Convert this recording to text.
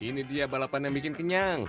ini dia balapan yang bikin kenyang